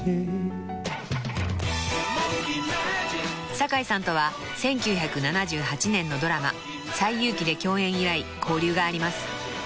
［堺さんとは１９７８年のドラマ『西遊記』で共演以来交流があります］